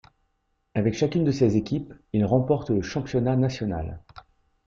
Avec chacune de ses équipes, il remporte le championnat national.